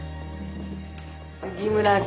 杉村君